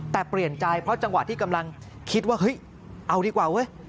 แต่เปลี่ยนใจเพราะจังหวะที่กำลังคิดว่าเฮ้ยเอาดีกว่าเว้ย